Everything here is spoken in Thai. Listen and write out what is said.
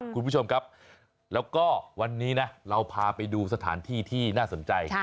คุณผู้ชมครับแล้วก็วันนี้นะเราพาไปดูสถานที่ที่น่าสนใจ